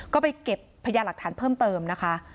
ก็ไปเก็บพยาหลักฐานเพิ่มเติมนะคะ